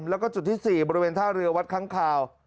แล้วก็จุดที่๔บริเวณท่าเรือวัดค้างคาว